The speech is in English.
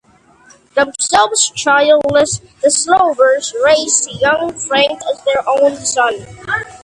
Themselves childless, the Slovers raised young Frank as their own son.